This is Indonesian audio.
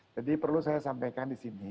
jadi perlu saya sampaikan di sini